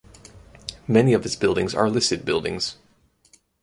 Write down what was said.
Many of his buildings are listed buildings.